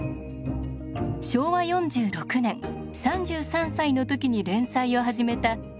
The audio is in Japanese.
昭和４６年３３歳の時に連載を始めた「男おいどん」。